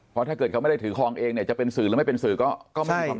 เพราะถ้าเกิดเขาไม่ได้ถือคลองเองเนี่ยจะเป็นสื่อหรือไม่เป็นสื่อก็ไม่มีความ